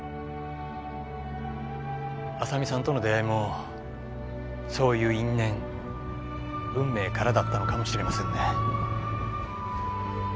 浅見さんとの出会いもそういう因縁運命からだったのかもしれませんね。